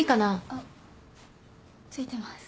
あっ付いてます。